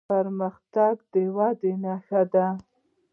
پرمختګ د ودې نښه ده.